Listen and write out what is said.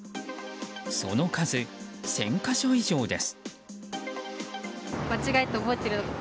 その数、１０００か所以上です。